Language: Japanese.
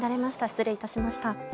失礼いたしました。